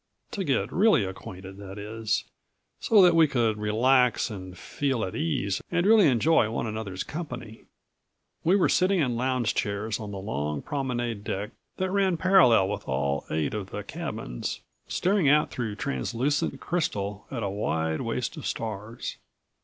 To get really acquainted, that is, so that we could relax and feel at ease and really enjoy one another's company. We were sitting in lounge chairs on the long promenade deck that ran parallel with all eight of the cabins, staring out through translucent crystal at a wide waste of stars.